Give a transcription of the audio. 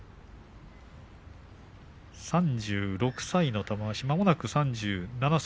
３６歳の玉鷲、まもなく３７歳。